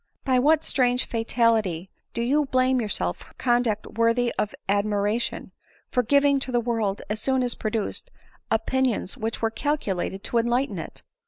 By what strange fatality do you blame yourself for conduct worthy of admiration ? for giving to the world, as soon as produced, opinions which were calculated to enlighten it?"